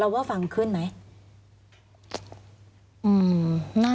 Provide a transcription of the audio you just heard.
มันจอดอย่างง่ายอย่างง่าย